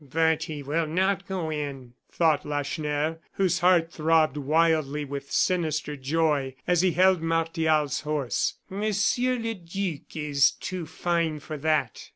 "But he will not go in," thought Lacheneur, whose heart throbbed wildly with sinister joy as he held Martial's horse. "Monsieur le Duc is too fine for that."